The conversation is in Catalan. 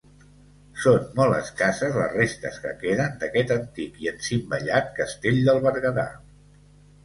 Són molt escasses les restes que queden d'aquest antic i encimbellat castell del Berguedà.